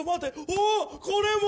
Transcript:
うおっこれも！